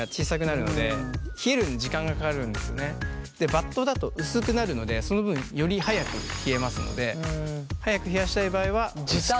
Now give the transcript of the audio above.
バットだと薄くなるのでその分より早く冷えますので早く冷やしたい場合は薄く。